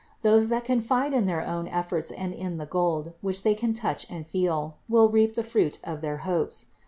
Those that confide in their own efforts and in the gold, which they can touch and feel, THE INCARNATION 361 will reap the fruit of their hopes.